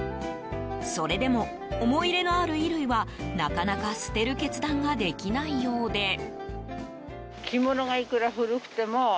それでも思い入れのある衣類はなかなか捨てる決断ができないようで。